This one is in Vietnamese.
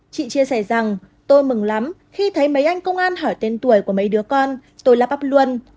chị chia sẻ rằng tôi mừng lắm khi thấy mấy anh công an hỏi tên tuổi của mấy đứa con tôi là bắp luôn